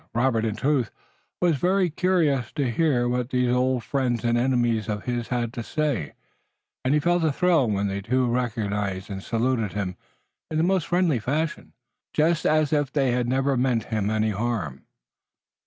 Robert, in truth, was very curious to hear what these old friends and enemies of his had to say, and he felt a thrill when the two recognized and saluted him in the most friendly fashion, just as if they had never meant him any harm.